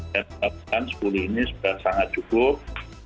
dan kita lakukan sepuluh ini sudah sangat cukup